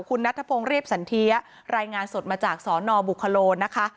คุณนัทพงศ์เรียบสันเทียรายงานสดมาจากสนบุคโลนะคะ